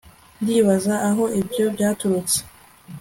ndibaza aho ibyo byaturutse